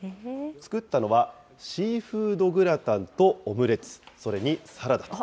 作ったのはシーフードグラタンとオムレツ、それにサラダと。